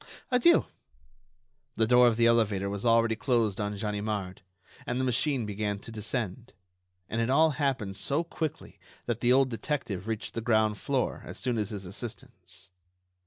Adieu." The door of the elevator was already closed on Ganimard, and the machine began to descend; and it all happened so quickly that the old detective reached the ground floor as soon as his assistants.